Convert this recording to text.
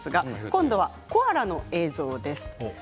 今度はコアラの映像です。